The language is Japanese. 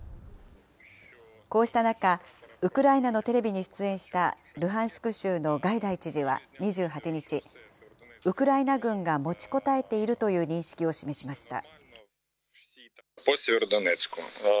こうした中、ウクライナのテレビに出演したルハンシク州のガイダイ知事は２８日、ウクライナ軍が持ちこたえているという認識を示しました。